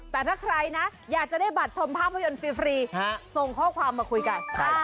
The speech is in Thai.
แต่ถ้าใครนะอยากจะได้บัตรชมภาพยนตร์ฟรีส่งข้อความมาคุยกัน